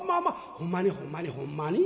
ほんまにほんまにほんまに？